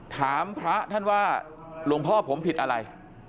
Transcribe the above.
ถามพระท่านว่าหลวงพ่อผมผิดอะไร